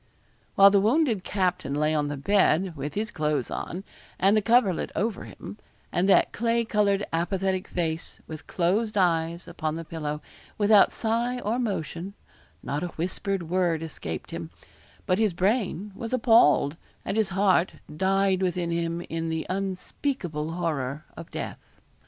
While the wounded captain lay on the bed, with his clothes on, and the coverlet over him, and that clay coloured apathetic face, with closed eyes, upon the pillow, without sigh or motion, not a whispered word escaped him; but his brain was appalled, and his heart died within him in the unspeakable horror of death.